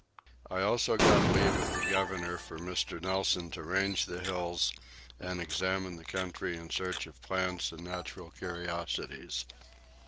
I also got leave of the governor for Mr. Nelson to range the hills and examine the country in search of plants and natural curiosities.